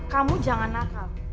kamu jangan nakal